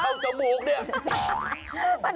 เข้าจมูกเนี่ย